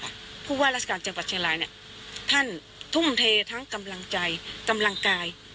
ผู้ว่าราชการจังหวัดเชียงรายเนี่ยท่านทุ่มเททั้งกำลังใจกำลังกาย